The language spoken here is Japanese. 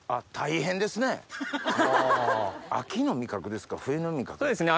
秋の味覚ですか？